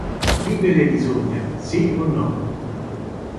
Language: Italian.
Vivere bisogna, sì o no?